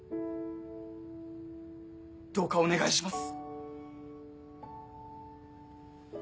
どうかお願いします。